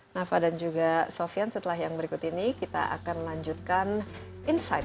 nava dan juga sofian setelah yang berikut ini kita akan lanjutkan insight